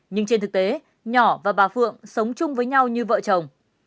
nhưng trên thực tế nhỏ và bà phượng sống chung với nhau như vợ chồng